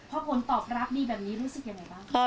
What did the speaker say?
ค่ะพ่อควรตอบรับดีแบบนี้รู้สึกอย่างไรบ้าง